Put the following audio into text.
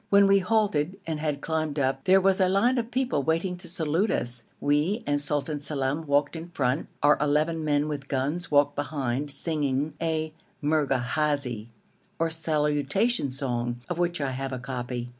When we halted, and had climbed up, there was a line of people waiting to salute us. We and Sultan Salem walked in front, our eleven men with guns walked behind, singing a merghazi, or salutation song, of which I have a copy.